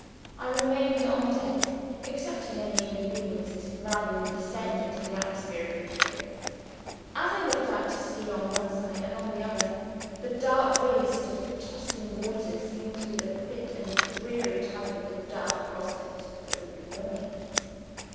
I remained on deck; accepting any inconvenience rather than descend into the atmosphere of the cabin. As I looked out to sea on one side and on the other, the dark waste of tossing waters seemed to be the fit and dreary type of the dark prospect that was before me.